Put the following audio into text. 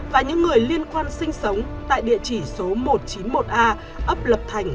và những người liên quan sinh sống tại địa chỉ số một trăm chín mươi một a ấp lập thành